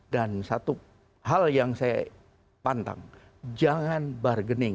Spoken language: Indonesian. dan satu hal yang saya pantang jangan bargaining